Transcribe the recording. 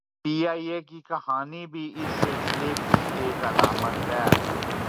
پی آئی اے کی کہانی بھی اس سلسلے کی ایک علامت ہے۔